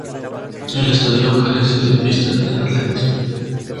El estadio carece de pistas de atletismo.